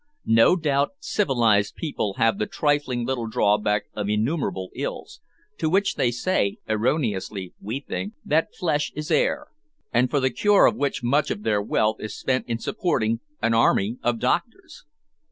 No doubt civilised people have the trifling little drawback of innumerable ills, to which they say (erroneously, we think) that flesh is heir, and for the cure of which much of their wealth is spent in supporting an army of doctors.